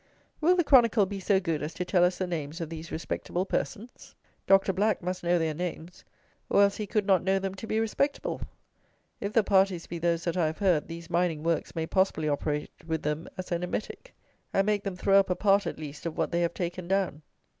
Will the Chronicle be so good as to tell us the names of these "respectable persons"? Doctor Black must know their names; or else he could not know them to be respectable. If the parties be those that I have heard, these mining works may possibly operate with them as an emetic, and make them throw up a part at least of what they have taken down.